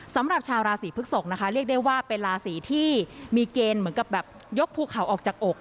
สำหรับชาวราศีพฤกษกนะคะเรียกได้ว่าเป็นราศีที่มีเกณฑ์เหมือนกับแบบยกภูเขาออกจากอก